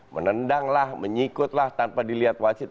menendanglah menyikutlah tanpa dilihat wasit